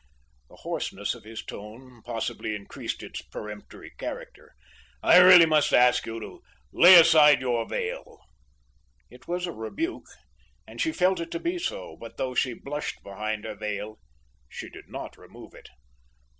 The hoarseness of his tone possibly increased its peremptory character "I really must ask you to lay aside your veil." It was a rebuke and she felt it to be so; but though she blushed behind her veil, she did not remove it.